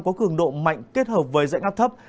có cường độ mạnh kết hợp với dạnh áp thấp